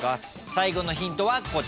最後のヒントはこちら。